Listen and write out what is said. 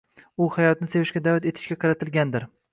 U hayotni sevishga da’vat etishga qaratilgandir.